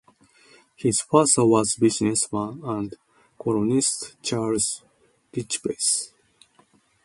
His father was businessman and colonist Charles Rischbieth.